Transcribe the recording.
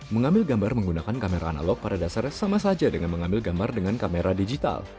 mengambil gambar menggunakan kamera analog pada dasarnya sama saja dengan mengambil gambar dengan kamera digital